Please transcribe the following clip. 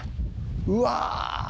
うわ！